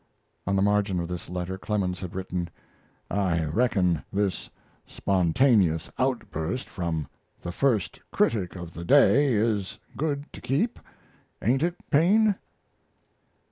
On the margin of this letter Clemens had written: I reckon this spontaneous outburst from the first critic of the day is good to keep, ain't it, Paine?